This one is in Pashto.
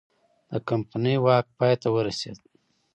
د کمپنۍ واک پای ته ورسید.